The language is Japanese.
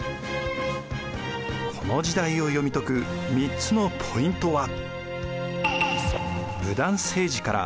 この時代を読み解く３つのポイントは。